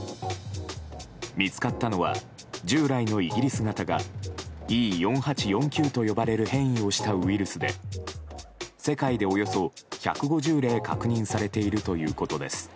見つかったのは従来のイギリス型がＥ４８４Ｑと呼ばれる変異をしたウイルスで世界でおよそ１５０例確認されているということです。